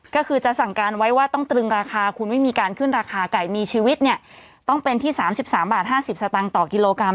ก็คือจะสั่งการไว้ว่าต้องตรึงราคาคุณไม่มีการขึ้นราคาไก่มีชีวิตเนี่ยต้องเป็นที่๓๓บาท๕๐สตางค์ต่อกิโลกรัม